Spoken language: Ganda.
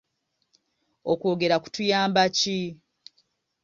Okwogera kutuyamba ki?